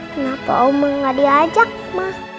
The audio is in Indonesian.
kenapa oma gak diajak ma